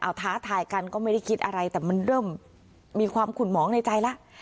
เอาท้าทายกันก็ไม่ได้คิดอะไรแต่มันเริ่มมีความขุนหมองในใจแล้ว